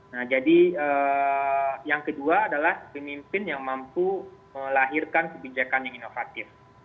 nah jadi yang kedua adalah pemimpin yang mampu melahirkan kebijakan yang inovatif